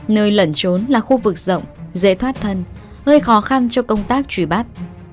nơi lẩn trốn là khu vực rộng dễ thoát thân gây khó khăn cho công tác truy bắt